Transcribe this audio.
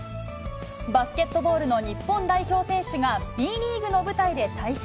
バスケットボールの日本代表選手がＢリーグの舞台で対戦。